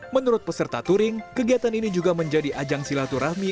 menurut peserta touring kegiatan ini juga menjadi ajang silaturahmi